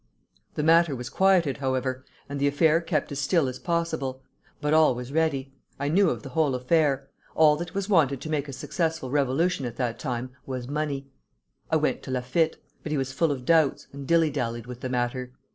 The matter was quieted, however, and the affair kept as still as possible. But all was ready. I knew of the whole affair. All that was wanted to make a successful revolution at that time was money. I went to Laffitte; but he was full of doubts, and dilly dallied with the matter.